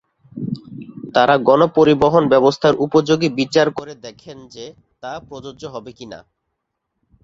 তারা গণপরিবহন ব্যবস্থার উপযোগিতা বিচার করে দেখেন যে, তা প্রযোজ্য হবে কি না।